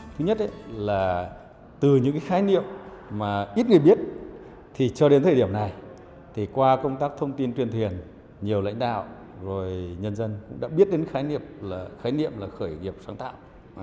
thứ nhất là từ những khái niệm mà ít người biết cho đến thời điểm này qua công tác thông tin truyền thuyền nhiều lãnh đạo nhân dân cũng đã biết đến khái niệm khởi nghiệp sáng tạo